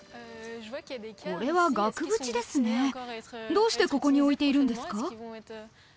これは額縁ですねどうしてここに置いているんですか？